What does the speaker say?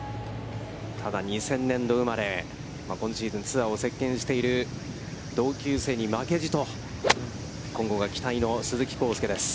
ただ、２０００年度生まれ、今シーズン、ツアーを席巻している同級生に負けじと、今後が期待の鈴木晃祐です。